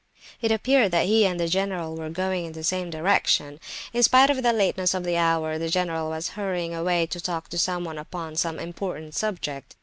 It appeared that he and the general were going in the same direction. In spite of the lateness of the hour, the general was hurrying away to talk to someone upon some important subject.